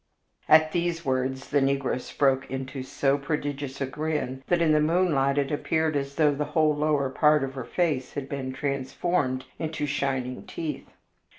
At these words the negress broke into so prodigious a grin that, in the moonlight, it appeared as though the whole lower part of her face had been transformed into shining teeth.